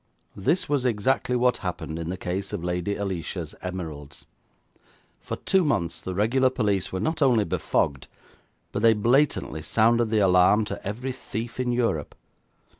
This was exactly what happened in the case of Lady Alicia's emeralds. For two months the regular police were not only befogged, but they blatantly sounded the alarm to every thief in Europe.